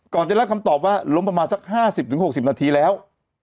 ก่อนจะรับคำตอบว่าล้มประมาณสัก๕๐๖๐นาทีแล้ว